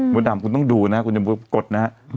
บนอ่ำคุณต้องดูนะฮะคุณยังบอกตนะคะ